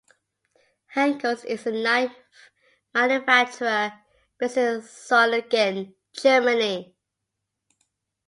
Henckels is a knife manufacturer based in Solingen, Germany.